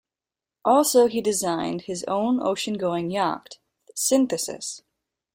Also he designed his own ocean-going yacht, Synthesis.